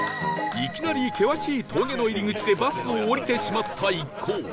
いきなり険しい峠の入り口でバスを降りてしまった一行